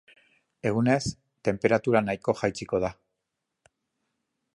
Egunez, tenperatura nahiko jaitsiko da.